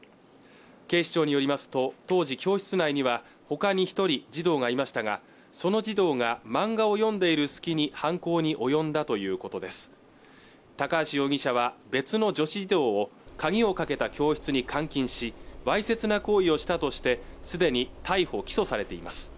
警視庁によりますと当時教室内にはほかに一人児童がいましたがその児童が漫画を読んでいる隙に犯行に及んだということです高橋容疑者は別の女子児童を鍵をかけた教室に監禁しわいせつな行為をしたとしてすでに逮捕・起訴されています